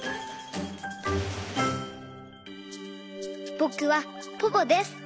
ぼくはポポです。